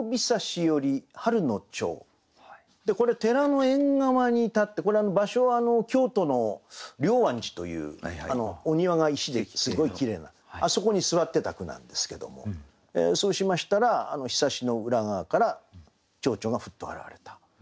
これ寺の縁側に立ってこれ場所は京都の龍安寺というお庭が石ですごいきれいなあそこに座ってた句なんですけどもそうしましたら庇の裏側から蝶々がふっと現れた。